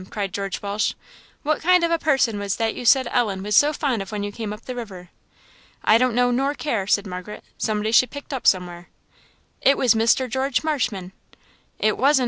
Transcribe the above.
cried George Walsh, "what kind of a person was that you said Ellen was so fond of when you came up the river?" "I don't know, nor care," said Margaret. "Somebody she picked up somewhere." "It was Mr. George Marshman!" "It wasn't."